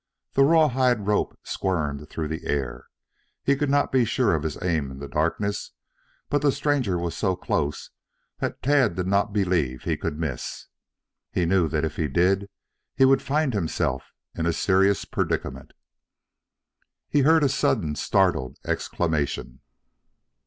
The rawhide rope squirmed through the air. He could not be sure of his aim in the darkness, but the stranger was so close that Tad did not believe he could miss. He knew that if he did, he would find himself in a serious predicament. He heard a sudden startled exclamation.